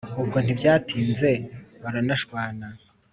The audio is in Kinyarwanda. ubwo ntibyatinze baranashwana